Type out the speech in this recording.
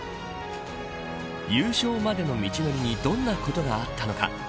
優勝までの道のりにどんなことがあったのか。